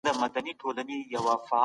که ته بد الفاظ وکاروې، خلګ لېري خپه کېږي.